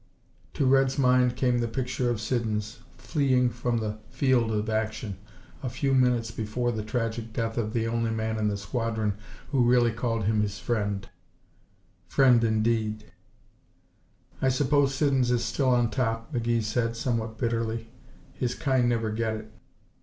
To Red's mind came the picture of Siddons, fleeing from the field of action a few minutes before the tragic death of the only man in the squadron who really called him friend. Friend, indeed! "I suppose Siddons is still on top," McGee said, somewhat bitterly. "His kind never get it."